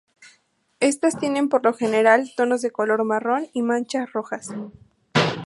Estas tienen por lo general tonos de color marrón y manchas rojas.